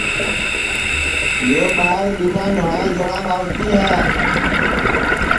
یو ٻائیر ٻینا نھوائے جوڑا ٻاوتی ہے